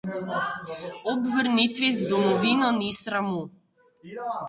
Ob vrnitvi v domovino ni sramu.